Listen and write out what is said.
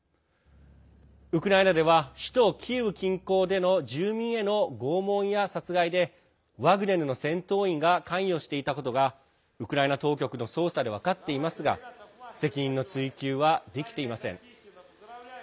ウクライナでは首都キーウ近郊での住民への拷問や殺害でワグネルの戦闘員が関与していたことがウクライナ当局の捜査で分かっていますが責任の追及はできていません。